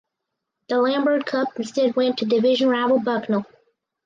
The Lambert Cup instead went to division rival Bucknell.